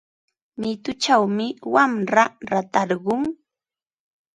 Mituchawmi wamra ratarqun.